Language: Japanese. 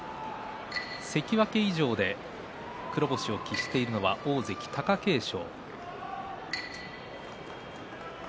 関脇以上で黒星を喫しているのは大関貴景勝。